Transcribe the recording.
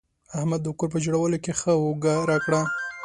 احمد د کور په جوړولو کې ښه اوږه راکړه.